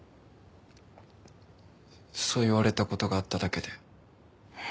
そう言われた事があっただけで。